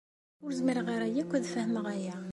Ur zmireɣ ara akk ad fehmeɣ aya.